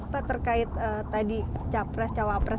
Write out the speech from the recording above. pak terkait tadi capres cawapres